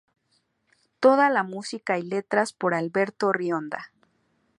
Toda la música y letras por: Alberto Rionda.